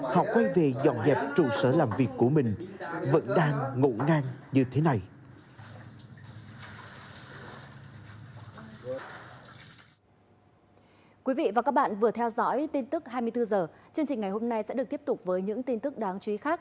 họ quay về dọn dẹp trụ sở làm việc của mình vẫn đang ngủ ngang như thế này